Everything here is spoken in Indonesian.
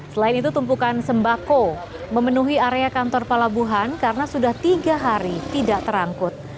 selain itu tumpukan sembako memenuhi area kantor pelabuhan karena sudah tiga hari tidak terangkut